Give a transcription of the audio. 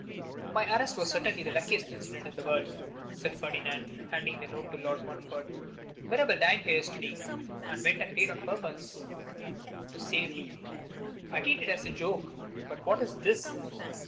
'My arrest was certainly the luckiest incident in the world,' said Ferdinand, handing the note to Lord Montfort. 'Mirabel dined here yesterday, and went and played on purpose to save me. I treated it as a joke. But what is this?